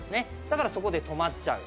だからそこで止まっちゃう。